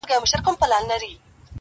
هر څوک يې په خپل نظر ګوري,